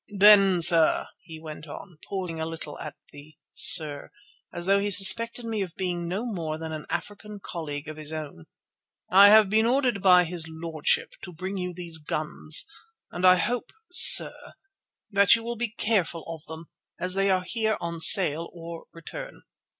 "Then, sir," he went on, pausing a little at the "sir," as though he suspected me of being no more than an African colleague of his own, "I have been ordered by his lordship to bring you these guns, and I hope, sir, that you will be careful of them, as they are here on sale or return.